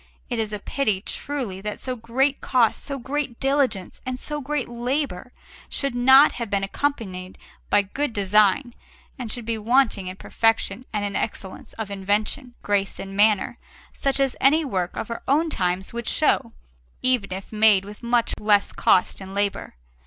It is a pity, truly, that so great cost, so great diligence, and so great labour should not have been accompanied by good design and should be wanting in perfection and in excellence of invention, grace, and manner, such as any work of our own times would show, even if made with much less cost and labour.